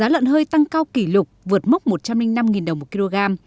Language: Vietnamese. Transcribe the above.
lợn hơi tăng cao kỷ lục vượt mốc một trăm linh năm đồng một kg